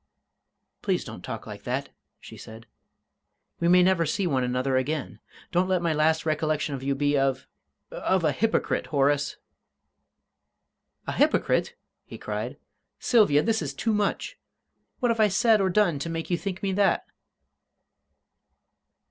"Please don't talk like that," she said. "We may never see one another again. Don't let my last recollection of you be of of a hypocrite, Horace!" "A hypocrite!" he cried. "Sylvia, this is too much! What have I said or done to make you think me that?"